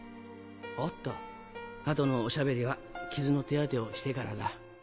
おっとあとのおしゃべりは傷の手当てをしてからだ。